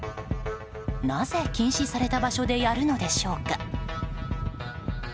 なぜ禁止された場所でやるのでしょうか。